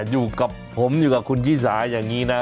อยู่กับผมอยู่กับคุณยี่สาอย่างนี้นะ